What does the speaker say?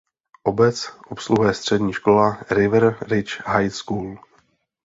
Obec obsluhuje střední škola River Ridge High School.